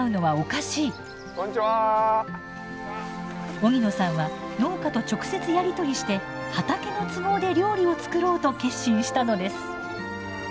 荻野さんは農家と直接やり取りして畑の都合で料理を作ろうと決心したのです。